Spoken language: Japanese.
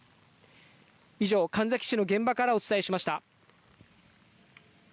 以上、神埼市の現場からお伝えしました。